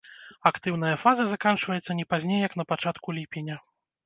Актыўная фаза заканчваецца не пазней як на пачатку ліпеня.